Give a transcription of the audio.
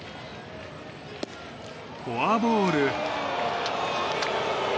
フォアボール。